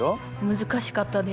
難しかったです。